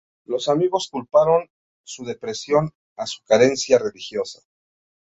Los amigos culparon su depresión a su carencia religiosa.